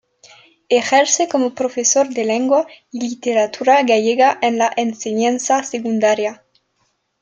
Ejerce como profesor de lengua y literatura gallega en la enseñanza secundaria.